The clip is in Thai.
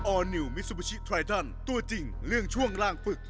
ออนิวมิซุปาชิทรายทันตัวจริงเรื่องช่วงร่างฝึก